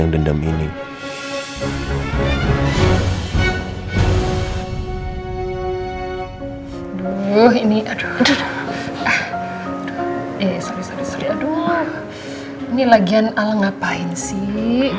aduh ini lagian ala ngapain sih